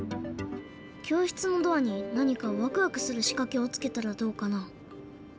教室のドアに何かワクワクするしかけをつけたらどうかな？